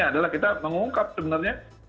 adalah kita mengungkap sebenarnya